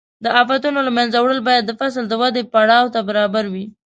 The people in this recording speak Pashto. د آفتونو له منځه وړل باید د فصل د ودې پړاو ته برابر وي.